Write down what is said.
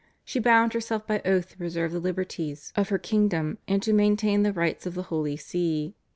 She bound herself by oath to preserve the liberties of her kingdom, and to maintain the rights of the Holy See.